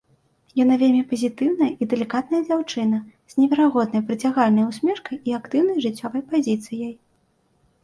Яна вельмі пазітыўная і далікатная дзяўчына з неверагодна прыцягальнай усмешкай і актыўнай жыццёвай пазіцыяй.